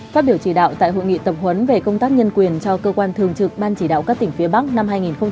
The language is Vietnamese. phát biểu chỉ đạo tại hội nghị tập huấn về công tác nhân quyền cho cơ quan thường trực ban chỉ đạo các tỉnh phía bắc năm hai nghìn hai mươi